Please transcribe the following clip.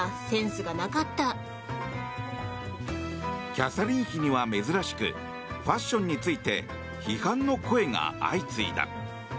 キャサリン妃には珍しくファッションについて批判の声が相次いだ。